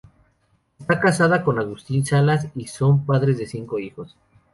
Está casada con Agustín Salas y son padres de cinco hijos.